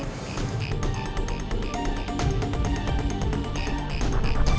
bawa dia pulang